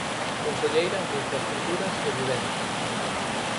Conselleira de Infraestruturas e Vivenda.